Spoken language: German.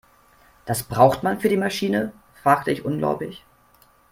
"Das braucht man für die Maschine?", fragte ich ungläubig.